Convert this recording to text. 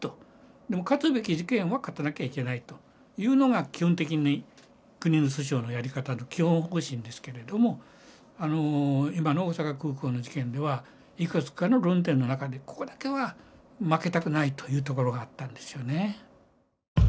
でも勝つべき事件は勝たなきゃいけないというのが基本的に国の訴訟のやり方の基本方針ですけれども今の大阪空港の事件ではいくつかの論点の中でここだけは負けたくないというところがあったんですよね。